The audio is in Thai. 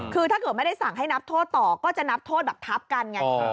คือถ้าเกิดไม่ได้สั่งให้นับโทษต่อก็จะนับโทษแบบทับกันไง